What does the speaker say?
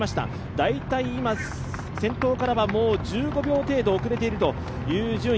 大体今、先頭からは１５秒程度遅れているという順位。